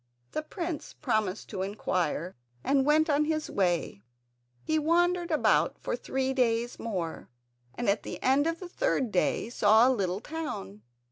The prince promised to inquire, and went on his way. He wandered about for three days more, and at the end of the third day saw a little town.